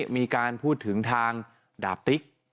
มีการพูดถึงทางดาบติ๊ก